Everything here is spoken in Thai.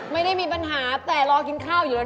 ไม่ได้มีปัญหาแต่รอกินข้าวอยู่แล้ว